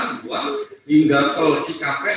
di buah tinggal tol cikafred